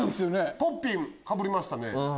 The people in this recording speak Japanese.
「ポッピン」かぶりましたね。